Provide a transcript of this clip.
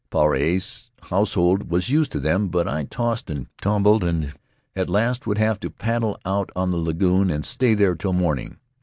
Puarei's household was used to them, but I tossed and tumbled, and at last would have to paddle out on the lagoon and stay there till morning.